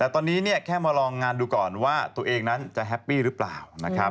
แต่ตอนนี้แค่มาลองงานดูก่อนว่าตัวเองนั้นจะแฮปปี้หรือเปล่านะครับ